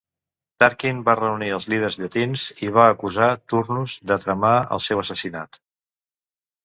Tarquin va reunir els líders llatins i va acusar Turnus de tramar el seu assassinat.